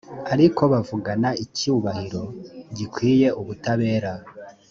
ariko bavugana icyubahiro gikwiye ubutabera